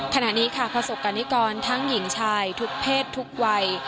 ขณะนี้ค่ะประสบกรณิกรทั้งหญิงชายทุกเพศทุกวัย